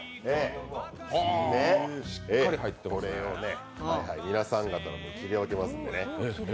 これを皆さん方に切り分けますのでね。